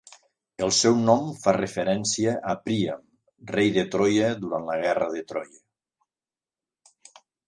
El seu nom fa referència a Príam, rei de Troia durant la Guerra de Troia.